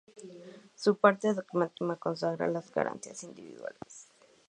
Su parte "dogmática" consagra las "garantías individuales".